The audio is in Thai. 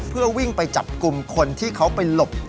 เพื่อวิ่งไปจับกลุ่มคนที่เขาไปหลบ